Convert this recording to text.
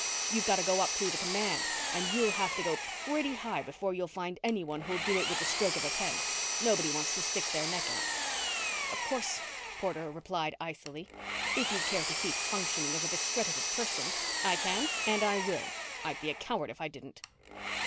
You've got to go up through the command and you'll have to go pretty high before you'll find anyone who'll do it with the stroke of a pen. Nobody wants to stick their neck out." "Of course," Porter replied icily, "if you care to keep functioning as a discredited person " "I can. And I will. I'd be a coward if I didn't."